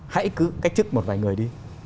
hãy cứ cách trức một vài người đi